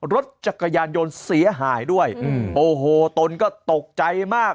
รถจักรยานยนต์เสียหายด้วยโอ้โหตนก็ตกใจมาก